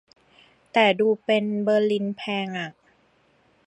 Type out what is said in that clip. แต่ดูเป็น เบอร์ลินแพงอ่ะ